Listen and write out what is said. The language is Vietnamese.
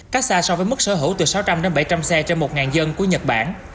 cách xa so với mức sở hữu từ sáu trăm linh bảy trăm linh xe cho một dân của nhật bản